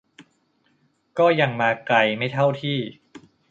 ก็ยังมาไกลไม่เท่าที่